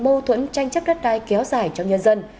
mâu thuẫn tranh chấp đất đai kéo dài cho nhân dân